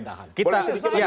boleh saya sedikit lagi